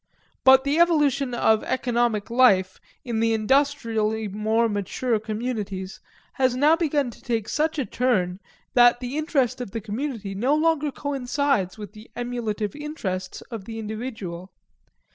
But the evolution of economic life in the industrially more mature communities has now begun to take such a turn that the interest of the community no longer coincides with the emulative interests of the individual.